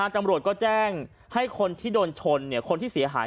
ตำรวจก็แจ้งให้คนที่โดนชนคนที่เสียหาย